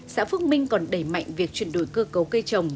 xã phước minh còn đẩy mạnh việc chuyển đổi cơ cấu cây trồng